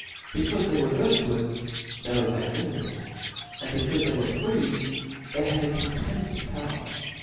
Becaufe they were virtuous, they were magnanimous; and becaufe they were free, they had a contempt of power.